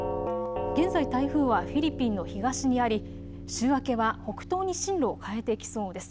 現在、台風はフィリピンの東にあり、週明けは北東に進路を変えてきそうです。